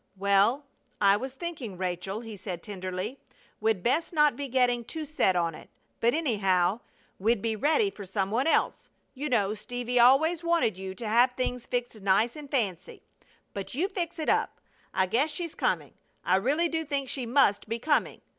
"Well, I was thinking, Rachel," he said, tenderly, "we'd best not be getting too set on it. But, anyhow, we'd be ready for some one else. You know Stevie always wanted you to have things fixed nice and fancy. But you fix it up. I guess she's coming. I really do think she must be coming!